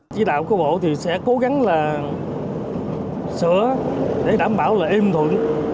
chỉ đạo cơ bộ sẽ cố gắng sửa để đảm bảo là im thủy